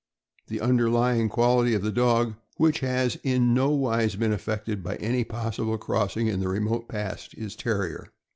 The underlying quality of the dog, which has in nowise been affected by any possible crossing in the remote past, is Terrier.